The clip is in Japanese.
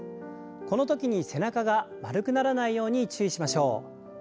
このときに背中が丸くならないように注意しましょう。